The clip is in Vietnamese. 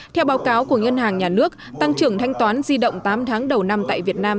theo báo cáo của ngân hàng nhà nước tăng trưởng thanh toán di động tám tháng đầu năm tại việt nam